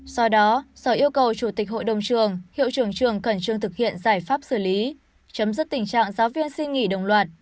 do đó sở yêu cầu chủ tịch hội đồng trường hiệu trưởng trường cẩn trương thực hiện giải pháp xử lý chấm dứt tình trạng giáo viên xin nghỉ đồng loạt